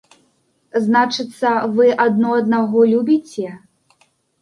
Значыцца, вы адно аднаго любіце?